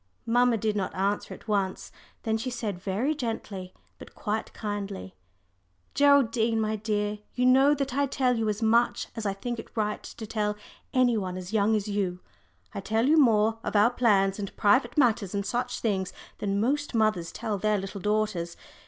Mamma did not answer at once. Then she said very gently, but quite kindly, "Geraldine, my dear, you know that I tell you as much as I think it right to tell any one as young as you I tell you more, of our plans and private matters and such things, than most mothers tell their little daughters.